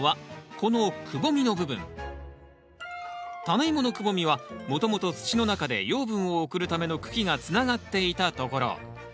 タネイモのくぼみはもともと土の中で養分を送るための茎がつながっていたところ。